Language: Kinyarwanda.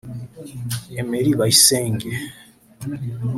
Emery Bayisenge